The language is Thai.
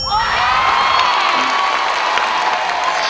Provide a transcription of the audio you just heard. เพลงนี้ครับ